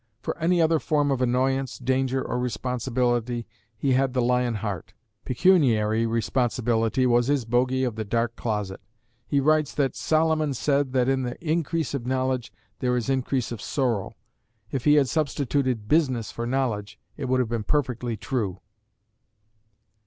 For any other form of annoyance, danger or responsibility, he had the lion heart. Pecuniary responsibility was his bogey of the dark closet. He writes that, "Solomon said that in the increase of knowledge there is increase of sorrow: if he had substituted business for knowledge it would have been perfectly true."